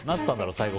最後。